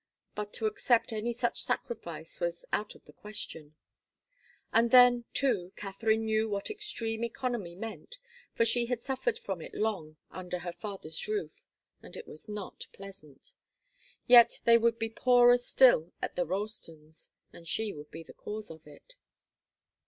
But to accept any such sacrifice was out of the question. And then, too, Katharine knew what extreme economy meant, for she had suffered from it long under her father's roof, and it was not pleasant. Yet they would be poorer still at the Ralstons, and she would be the cause of it.